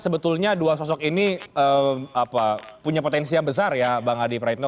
sebetulnya dua sosok ini punya potensi yang besar ya bang adi praitno